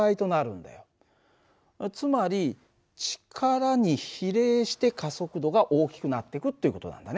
つまり力に比例して加速度が大きくなってくっていう事なんだね。